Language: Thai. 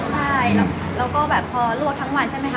ใช่แล้วก็แบบพอลวกทั้งวันใช่ไหมคะ